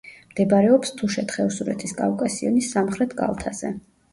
მდებარეობს თუშეთ-ხევსურეთის კავკასიონის სამხრეთ კალთაზე.